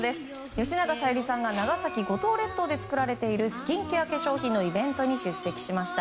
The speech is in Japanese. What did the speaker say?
吉永小百合さんが長崎・五島列島で作られているスキンケア商品のイベントに出席しました。